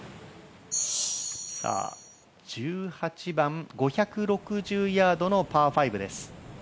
１８番、５６０ヤードのパー５です。